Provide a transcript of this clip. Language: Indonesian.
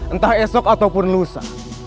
entah esok ataupun lusa